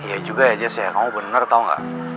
iya juga ya jess kamu bener tau gak